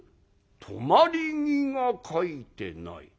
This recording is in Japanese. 「止まり木が描いてない」。